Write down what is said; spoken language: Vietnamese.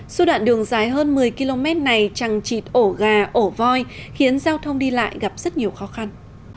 suốt đoạn đường dài hơn một mươi km này trăng trịt ổ gà ổ voi khiến giao thông đi lại gặp rất nhiều khó khăn